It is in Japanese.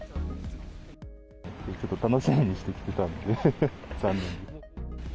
ちょっと楽しみにしてきてたんで、残念。